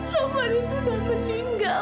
taufan itu udah meninggal